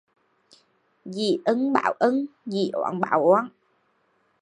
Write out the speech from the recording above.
Dĩ ân báo ân, dĩ oán báo oán